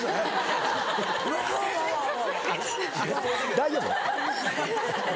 大丈夫？